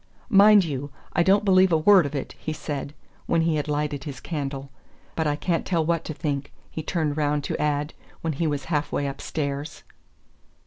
"Mind you, I don't believe a word of it," he said, when he had lighted his candle; "but I can't tell what to think," he turned round to add, when he was half way upstairs.